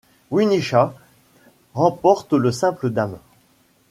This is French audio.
Winnie Shaw remporte le simple dames.